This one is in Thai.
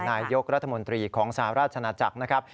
นายกรัฐมนตรีของสหราชนาจักรนะครับ